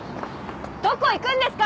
どこ行くんですか！？